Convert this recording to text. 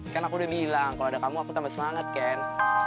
kan aku udah bilang kalau ada kamu aku tambah semangat kan